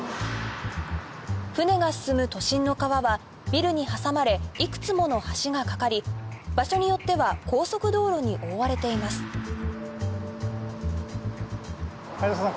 船が進む都心の川はビルに挟まれいくつもの橋が架かり場所によっては高速道路に覆われています林田さん